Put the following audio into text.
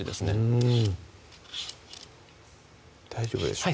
うん大丈夫でしょうかね